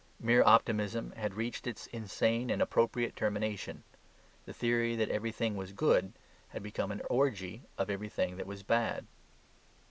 Mere optimism had reached its insane and appropriate termination. The theory that everything was good had become an orgy of everything that was bad.